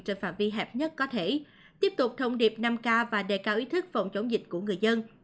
trên phạm vi hẹp nhất có thể tiếp tục thông điệp năm k và đề cao ý thức phòng chống dịch của người dân